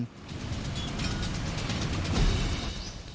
ทีมสังวัย